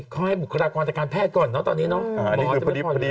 เขาให้บุคลากว่าแต่การแพทย์ก่อนตอนนี้